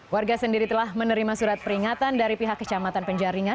warga sendiri telah menerima surat peringatan dari pihak kecamatan penjaringan